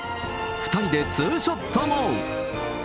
２人でツーショットも。